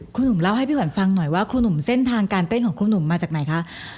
หนุ่มเล่าให้พี่ขวัญฟังหน่อยว่าครูหนุ่มเส้นทางการเต้นของครูหนุ่มมาจากไหนคะ